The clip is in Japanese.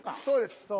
そうです。